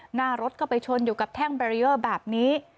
หน้ารถก็ไปชนอยู่กับแท่งเบรียอร์แบบนี้